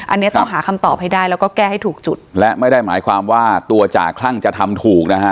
อันนี้ต้องหาคำตอบให้ได้แล้วก็แก้ให้ถูกจุดและไม่ได้หมายความว่าตัวจ่าคลั่งจะทำถูกนะฮะ